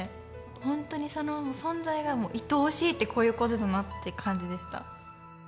ほんとにその存在がいとおしいってこういうことだなって感じでした。